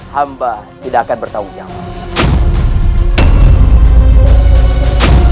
hamba tidak akan bertanggung jawab